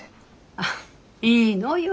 ああいいのよ